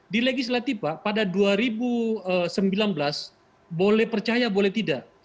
di legislatif pak pada dua ribu sembilan belas boleh percaya boleh tidak